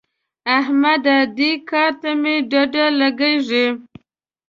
احمده! دې کار ته مې ډډه لګېږي.